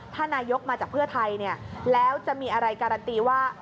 ถ้านายกมาจากเพื่อไทยแล้วจะมีอะไรการันตีว่า